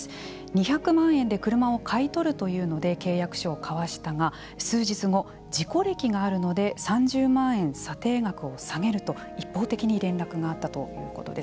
２００万円で車を買い取るというので契約書を交わしたが数日後、事故歴があるので３０万円査定額を下げると一方的に連絡があったということです。